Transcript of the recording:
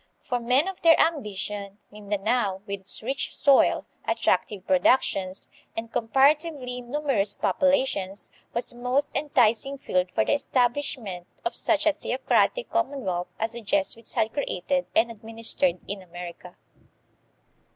For men of their ambition, Mindanao, with its rich soil, attractive productions, ajid compara tively numerous populations, was a most enticing field for the establishment of such a theocratic commonwealth as the Jesuits had created and administered in America.